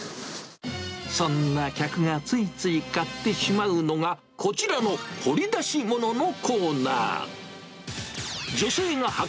そんな客がついつい買ってしまうのが、こちらの掘り出し物のコーナー。